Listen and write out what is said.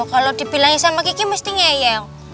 kalau dibilangin sama giki mesti gini